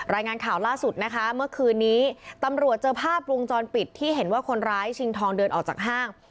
รายงานข่าวล่าสุดนะคะเมื่อคืนนี้ตำรวจเจอภาพวงจรปิดที่เห็นว่าคนร้ายชิงทองเดินออกจากห้าง